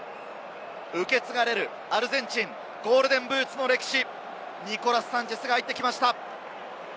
受け継がれるアルゼンチンゴールデンブーツの歴史、ニコラス・サンチェスが入ってきました。